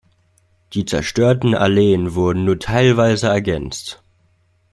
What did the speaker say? Die zerstörten Alleen wurden nur teilweise ergänzt.